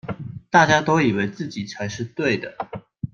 大家都以為自己才是對的